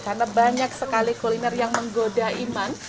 karena banyak sekali kuliner yang menggoda iman